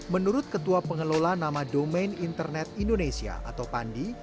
menurut ketua pengelola nama domain internet indonesia atau pandi